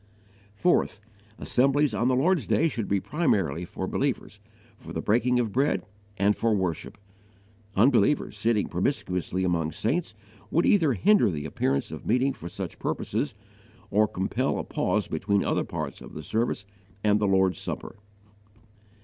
4. Assemblies on the Lord's day should be primarily for believers, for the breaking of bread, and for worship; unbelievers sitting promiscuously among saints would either hinder the appearance of meeting for such purposes, or compel a pause between other parts of the service and the Lord's Supper.